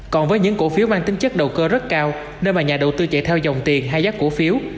còn với những cổ phiếu mang tính chất đầu cơ rất cao nơi mà nhà đầu tư chạy theo dòng tiền hay giác cổ phiếu